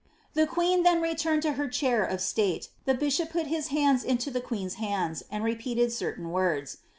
The queen then relumed to her chair of state, the bishop put his hands into the queen^s hands, and repeated certain words.